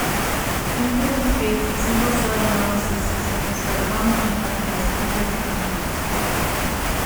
Impedance-based single cell analysis systems are commonly known as Coulter counters.